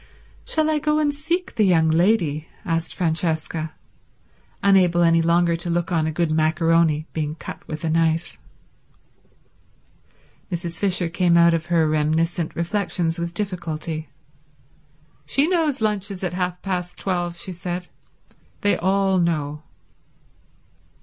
"Shall I go and seek the young lady?" asked Francesca, unable any longer to look on a good maccaroni being cut with a knife. Mrs. Fisher came out of her reminiscent reflections with difficulty. "She knows lunch is at half past twelve," she said. "They all know."